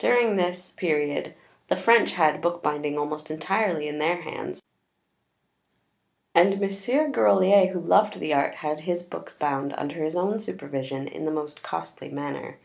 During this period the French had bookbinding almost entirely in their hands, and Mons. Grolier, who loved the art, had his books bound under his own supervision in the most costly manner.